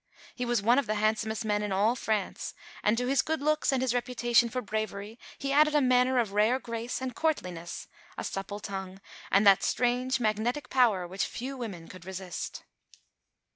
He was one of the handsomest men in all France; and to his good looks and his reputation for bravery he added a manner of rare grace and courtliness, a supple tongue, and that strange magnetic power which few women could resist.